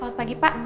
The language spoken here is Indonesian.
selamat pagi pak